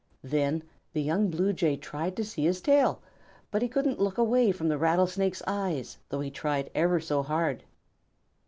Then the young Blue Jay tried to see his tail, but he couldn't look away from the Rattlesnake's eyes, though he tried ever so hard.